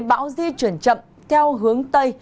bão di chuyển chậm theo hướng tây